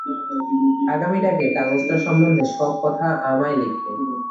আগামী ডাকে কাগজটা সম্বন্ধে সব কথা আমায় লিখবে।